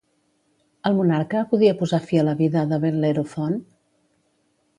El monarca podia posar fi a la vida de Bel·lerofont?